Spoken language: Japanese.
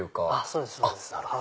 そうですそうです。